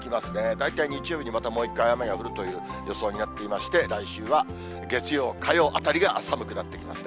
大体日曜日にまたもう一回雨が降るという予想になっていまして、来週は月曜、火曜あたりが寒くなってきますね。